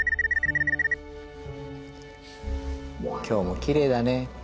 今日もきれいだね。